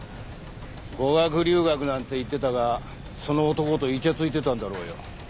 語学留学なんて言ってたがその男といちゃついてたんだろうよ。